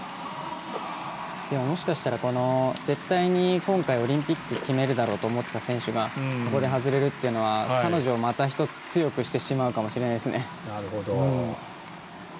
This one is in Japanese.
でも、もしかしたら絶対に今回、オリンピック決めるだろうと思っていた選手がここで外れるというのは彼女をまた１つ強くしてしまうかもしれないですね。